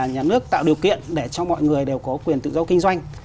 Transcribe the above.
nhà nước tạo điều kiện để cho mọi người đều có quyền tự do kinh doanh